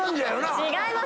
違います。